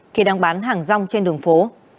khi đang bán hàng rong trên đường phố